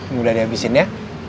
mudah dihabisin ya